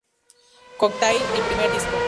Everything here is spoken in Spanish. Cocktail, el primer disco.